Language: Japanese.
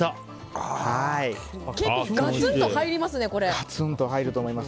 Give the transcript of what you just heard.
結構ガツンと入りますね。